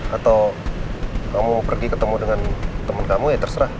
atau kamu pergi ketemu dengan teman kamu ya terserah